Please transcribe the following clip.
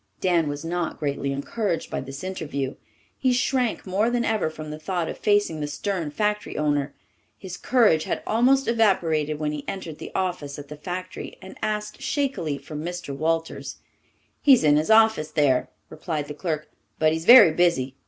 Dan was not greatly encouraged by this interview. He shrank more than ever from the thought of facing the stern factory owner. His courage had almost evaporated when he entered the office at the factory and asked shakily for Mr. Walters. "He's in his office there," replied the clerk, "but he's very busy.